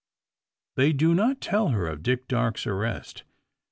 They do not tell her of Dick Darke's arrest.